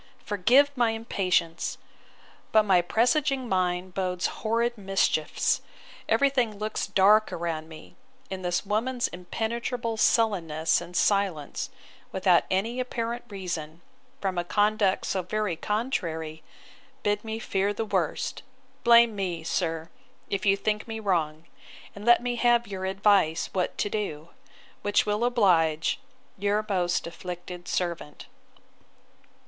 'Forgive my impatience: But my presaging mind bodes horrid mischiefs! Every thing looks dark around me; and this woman's impenetrable sullenness and silence, without any apparent reason, from a conduct so very contrary, bid me fear the worst.—blame me, sir, if you think me wrong; and let me have your advice what to do; which will oblige 'Your most afflicted servant.